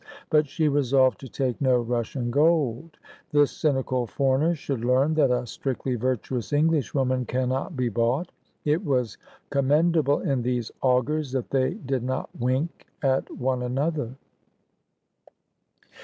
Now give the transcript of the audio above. But she resolved to take no Russian gold. This cynical foreigner should learn that a strictly virtuous Englishwoman cannot be bought. It was commendable in these augurs that they did not wink at one another.